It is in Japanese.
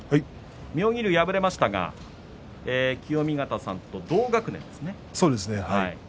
妙義龍は敗れましたが清見潟さんと同学年ですね。